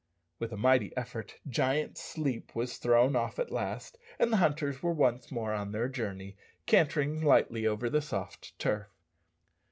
With a mighty effort Giant Sleep was thrown off at last, and the hunters were once more on their journey, cantering lightly over the soft turf.